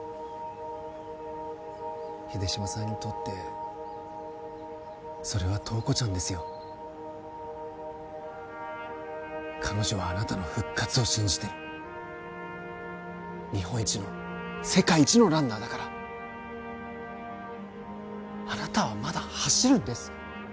秀島さんにとってそれは塔子ちゃんですよ彼女はあなたの復活を信じてる日本一の世界一のランナーだからあなたはまだ走るんです！